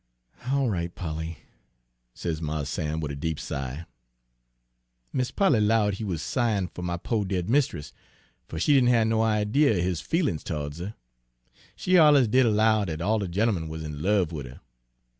"'All right, Polly,' says Mars Sam, wid a deep sigh. "Mis' Polly 'lowed he wuz sighin' fer my po' dead mist'ess, fer she didn' have no idee er his feelin's to'ds her, she alluz did 'low dat all de gent'emen wuz in love wid 'er.